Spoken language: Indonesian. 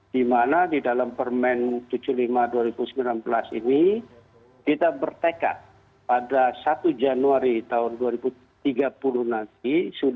di mana di dalam permen tujuh puluh lima dua ribu sembilan belas ini kita bertekad pada satu januari tahun dua ribu tiga puluh nanti